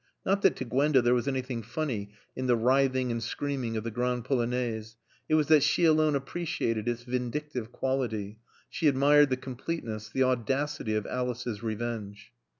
Not that to Gwenda there was anything funny in the writhing and screaming of the Grande Polonaise. It was that she alone appreciated its vindictive quality; she admired the completeness, the audacity of Alice's revenge.